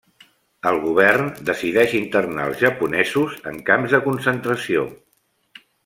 El govern decideix internar els japonesos en camps de concentració.